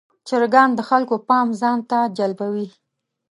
چرګان د خلکو پام ځان ته جلبوي.